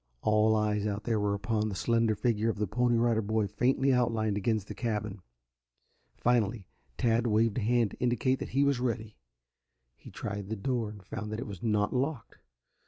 All eyes out there were upon the slender figure of the Pony Rider Boy faintly outlined against the cabin. Finally Tad waved a hand to indicate that he was ready. He tried the door and found that it was not locked.